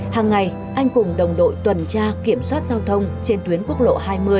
hàng ngày anh cùng đồng đội tuần tra kiểm soát giao thông trên tuyến quốc lộ hai mươi